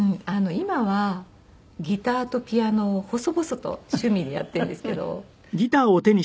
今はギターとピアノを細々と趣味でやっているんですけど。